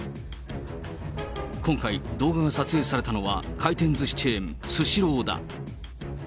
今回、動画が撮影されたのは、回転ずしチェーン、スシローだ。